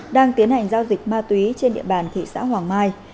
đang tiến hành giao dịch ma túy trên địa bàn thị xã hoàng mai